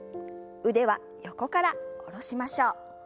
腕は横から下ろしましょう。